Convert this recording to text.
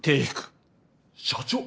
社長！